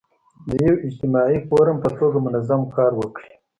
د یو اجتماعي فورم په توګه منظم کار وکړي.